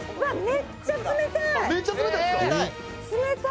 「めっちゃ冷たいですか？」